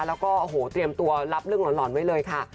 แล้วก็โอ้โหเตรียมตัวรับเรื่องหล่อนไว้เลยค่ะ